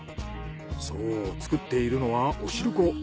そう作っているのはお汁粉。